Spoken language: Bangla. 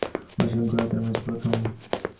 অসংখ্য রাতের মাঝে প্রথম।